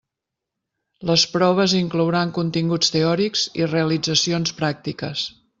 Les proves inclouran continguts teòrics i realitzacions pràctiques.